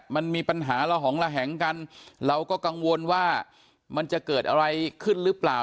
มันมีปัญหาระหองระแหงกันเราก็กังวลว่ามันจะเกิดอะไรขึ้นหรือเปล่า